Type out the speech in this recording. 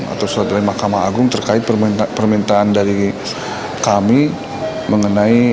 atau surat dari mahkamah agung terkait permintaan dari kami mengenai